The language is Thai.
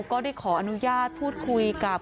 ก็ได้ขออนุญาตพูดคุยกับ